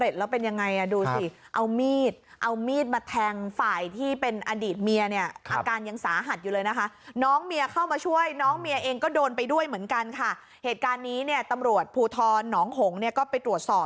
อโหพอง้อไม่สำเร็จแล้วเป็นยังไง